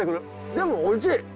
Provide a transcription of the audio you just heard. でもおいしい！